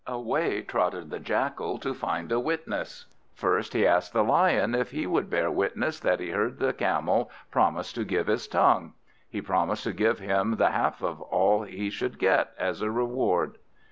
Away trotted the Jackal to find a witness. First he asked the Lion if he would bear witness that he heard the Camel promise to give his tongue. He promised to give him the half of all he should get, as a reward.